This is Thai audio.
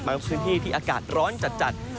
พื้นที่ที่อากาศร้อนจัด